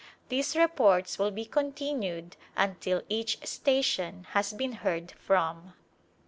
These reports will be continued until each station has been heard from.